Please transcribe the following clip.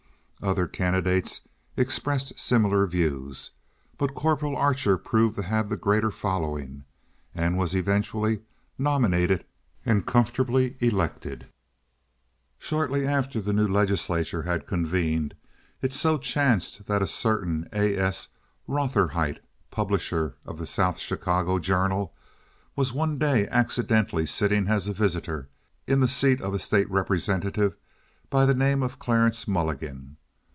Other candidates expressed similar views, but Corporal Archer proved to have the greater following, and was eventually nominated and comfortably elected. Shortly after the new legislature had convened, it so chanced that a certain A. S. Rotherhite, publisher of the South Chicago Journal, was one day accidentally sitting as a visitor in the seat of a state representative by the name of Clarence Mulligan.